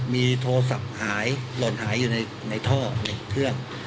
มีโทรศัพท์หายหล่นหายอยู่ในท่อในเครื่อง